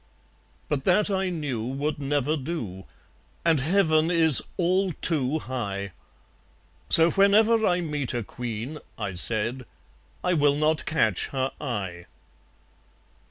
But that, I knew, would never do; And Heaven is all too high. So whenever I meet a Queen, I said, I will not catch her eye.